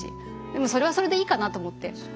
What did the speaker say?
でもそれはそれでいいかなと思って。